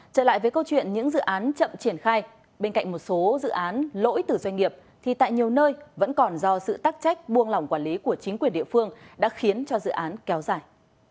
trở lại với câu chuyện những dự án chậm triển khai bên cạnh một số dự án lỗi từ doanh nghiệp thì tại nhiều nơi vẫn còn do sự tắc trách buông lỏng quản lý của chính quyền địa phương đã khiến cho dự án kéo dài